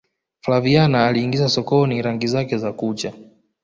flaviana aliingiza sokoni rangi zake za kucha